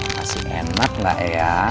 masih enak gak ya